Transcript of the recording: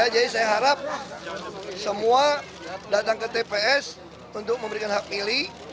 jadi saya harap semua datang ke tps untuk memberikan hak pilih